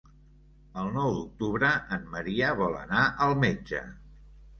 El nou d'octubre en Maria vol anar al metge.